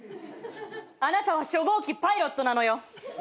あなたは初号機パイロットなのよ。